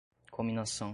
cominação